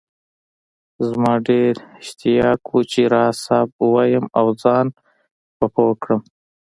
زما ډېر اشتياق وو چي راز صاحب ووايم او زان په پوهه کړم